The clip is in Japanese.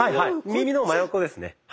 耳の真横ですね。